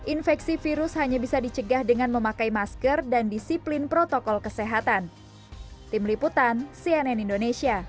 infeksi virus hanya bisa dicegah dengan memakai masker dan disiplin protokol kesehatan